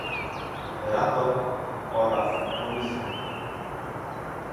Rado oraz Komisjo